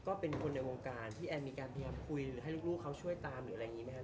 ก็เป็นคนในวงการพี่แอนมีการพยายามคุยหรือให้ลูกเขาช่วยตามหรืออะไรอย่างนี้ไหมครับ